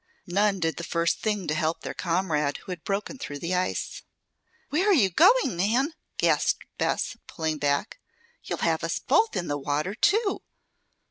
None did the first thing to help their comrade who had broken through the ice. "Where are you going, Nan?" gasped Bess, pulling back. "You'll have us both in the water, too."